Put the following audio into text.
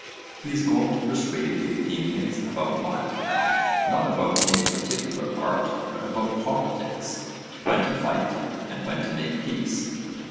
He is going to persuade the Athenians about what? Not about any particular art, but about politics when to fight and when to make peace.